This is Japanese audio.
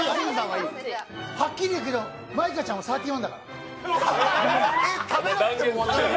はっきり言うけど舞香ちゃんはサーティワンだから。